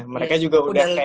mereka juga udah kayak